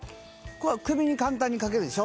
首に簡単にかけるでしょ。